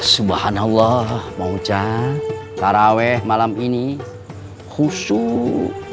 subhanallah maucan tarawih malam ini khusyuk